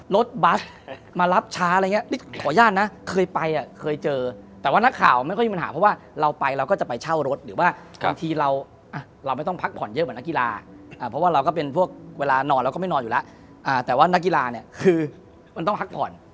รถบัสมารับช้าอะไรอย่างนี้ขออนุญาตนะเคยไปอ่ะเคยเจอแต่ว่านักข่าวไม่ค่อยมีปัญหาเพราะว่าเราไปเราก็จะไปเช่ารถหรือว่าบางทีเราไม่ต้องพักผ่อนเยอะเหมือนนักกีฬาเพราะว่าเราก็เป็นพวกเวลานอนเราก็ไม่นอนอยู่แล้วแต่ว่านักกีฬาเนี่ยคือมันต้องพักผ่อน